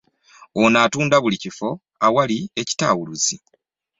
Ono atunda buli kifo awali ekitawuluzi